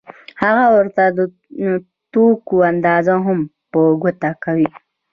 هغه ورته د توکو اندازه هم په ګوته کوي